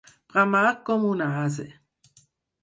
Bramar com un ase.